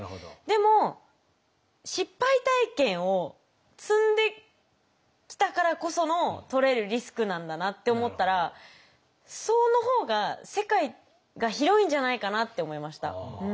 でも失敗体験を積んできたからこそのとれるリスクなんだなって思ったらその方が世界が広いんじゃないかなって思いました。